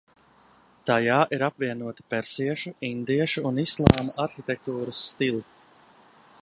Tajā ir apvienoti persiešu, indiešu un islāma arhitektūras stili.